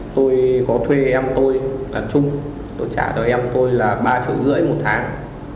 tôi có thuê em tôi là chung tôi trả cho em tôi là ba triệu rưỡi một tháng